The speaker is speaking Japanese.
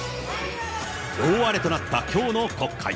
大荒れとなったきょうの国会。